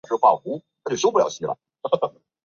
热莫扎克人口变化图示